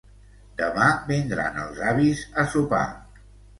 Demà vindran els avis a sopar